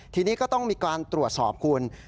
ทีนี้ก็ต้องมีการตรวจสอบคุณ